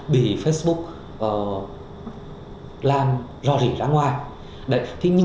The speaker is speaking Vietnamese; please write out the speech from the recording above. bị facebook làm ro rỉ ra ngoài